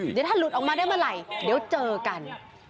เดี๋ยวถ้าหลุดออกมาได้เมื่อไหร่เดี๋ยวเจอกัน